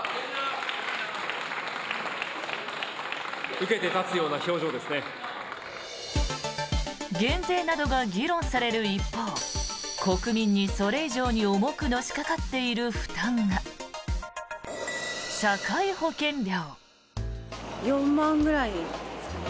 対して昨日、野党は。減税などが議論される一方国民にそれ以上に重くのしかかっている負担が社会保険料。